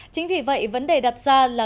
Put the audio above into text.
chính vì vậy vấn đề đặt ra là